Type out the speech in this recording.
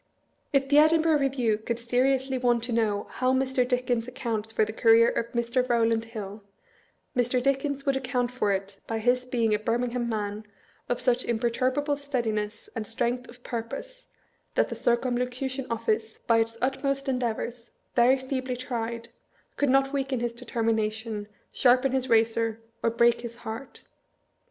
If the Edinburgh Review could seriously want to know " how Mr. Dickens accounts for the career of Mr. Eowland Hill," Mr. Dickens would account for it by his being a Biimiagham man of such imperturbable steadiness and strength of purpose, that the Circumlocution Office, by its utmost endeavors, very feebly tried, could not weaken his determination, sharpen his razor, or break his heart.